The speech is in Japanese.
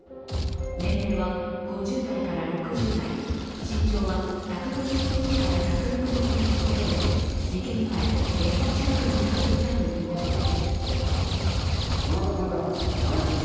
年齢は５０代から６０代、身長は１５０ｃｍから１６０ｃｍほどで事件前、現場近くに立っていたということです。